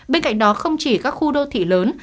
bên cạnh đó không chỉ các khu đô thị lớn